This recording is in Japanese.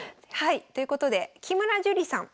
ということで木村朱里さん